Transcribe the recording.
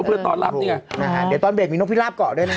เดี๋ยวตอนเด็ดมีนกพิลาปเกาะด้วยนะครับ